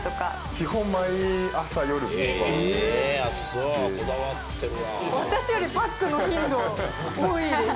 基本、毎朝、私よりパックの頻度多いです。